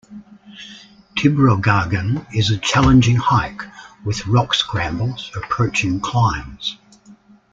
Tibrogargan is a challenging hike with rock scrambles approaching climbs.